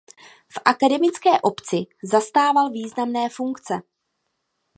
V akademické obci zastával významné funkce.